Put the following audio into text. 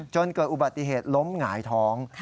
เกิดอุบัติเหตุล้มหงายท้อง